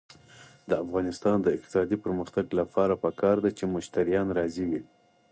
د افغانستان د اقتصادي پرمختګ لپاره پکار ده چې مشتریان راضي وي.